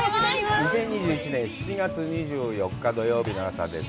２０２１年７月２４日、土曜日の朝です。